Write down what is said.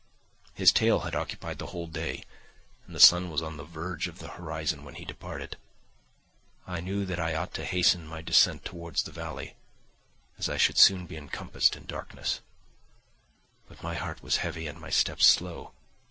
His tale had occupied the whole day, and the sun was upon the verge of the horizon when he departed. I knew that I ought to hasten my descent towards the valley, as I should soon be encompassed in darkness; but my heart was heavy, and my steps slow.